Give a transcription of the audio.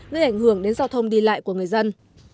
gây ảnh hưởng đến giao thông đi lại của người dân